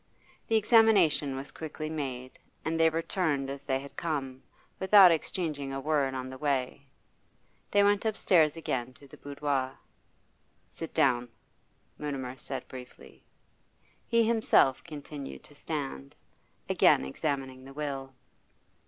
The examination was quickly made, and they returned as they had come, without exchanging a word on the way. They went upstairs again to the boudoir. 'Sit down,' Mutimer said briefly. He himself continued to stand, again examining the will.